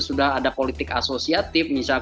sudah ada politik asosiatif misalnya